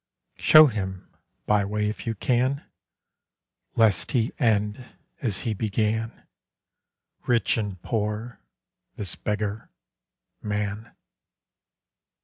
_' Show him, Byway, if you can; Lest he end as he began, Rich and poor, this beggar, Man.